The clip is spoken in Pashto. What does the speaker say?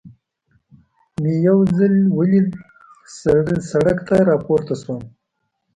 مې یو څلی ولید، سړک ته را پورته شوم.